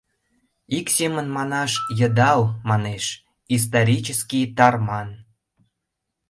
Ик семын манаш, йыдал, манеш, исторический тарман...